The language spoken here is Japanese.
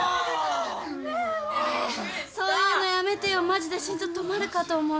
ねえそういうのやめてよマジで心臓止まるかと思った。